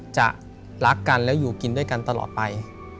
จะรักกันแล้วอยู่กินด้วยกันตลอดไป